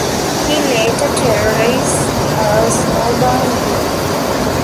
He later terrorizes a snowbound group.